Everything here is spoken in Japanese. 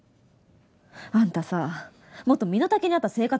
あんたさもっと身の丈に合った生活しなよ。